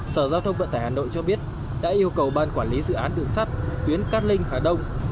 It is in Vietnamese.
sở giao thông vận tải hà nội cho biết đã yêu cầu ban quản lý dự án đường sắt tuyến cát linh hà đông